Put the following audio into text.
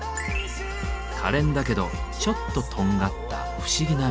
かれんだけどちょっととんがった不思議な魅力。